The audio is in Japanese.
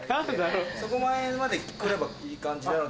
そこら辺まで来ればいい感じなので。